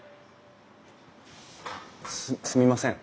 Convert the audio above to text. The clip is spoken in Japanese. すすみません。